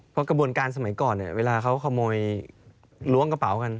เพราะกระบวนการสมัยก่อนเนี่ยเวลาเขาขโมยล้วงกระเป๋ากัน